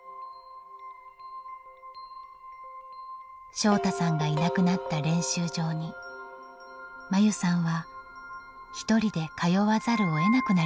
翔大さんがいなくなった練習場に真優さんは一人で通わざるをえなくなりました。